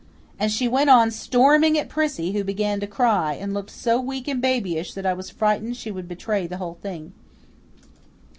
And she went on storming at Prissy, who began to cry, and looked so weak and babyish that I was frightened she would betray the whole thing.